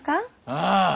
ああ。